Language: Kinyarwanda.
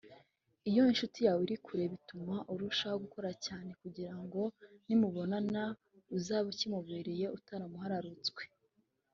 Iyo inshuti yawe iri kure bituma urushaho gukora cyane kugira ngo nimunabonana uzabe ukimubereye utaramuhararutswe